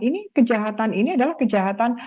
ini kejahatan ini adalah kejahatan